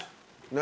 何？